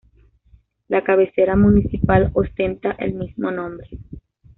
La cabecera municipal ostenta el mismo nombre.